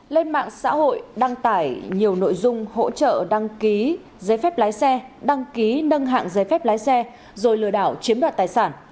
lên mạng xã hội đăng tải nhiều nội dung hỗ trợ đăng ký giấy phép lái xe đăng ký nâng hạng giấy phép lái xe rồi lừa đảo chiếm đoạt tài sản